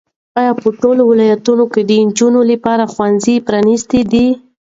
ایا په ټولو ولایتونو کې د نجونو لپاره ښوونځي پرانیستي دي؟